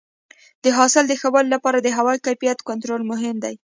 د حاصل د ښه والي لپاره د هوا کیفیت کنټرول مهم دی.